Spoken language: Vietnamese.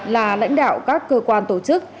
là lãnh đạo các cơ quan tổ chức